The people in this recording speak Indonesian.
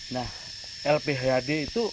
nah lphd itu